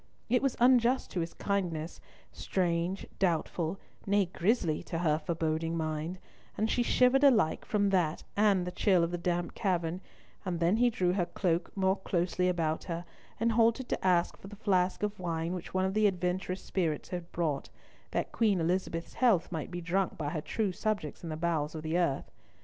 It was unjust to his kindness; strange, doubtful, nay grisly, to her foreboding mind, and she shivered alike from that and the chill of the damp cavern, and then he drew her cloak more closely about her, and halted to ask for the flask of wine which one of the adventurous spirits had brought, that Queen Elizabeth's health might be drunk by her true subjects in the bowels of the earth.